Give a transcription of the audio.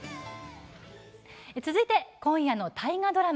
続いて今夜の大河ドラマ